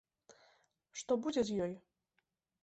Што будзе з ёй?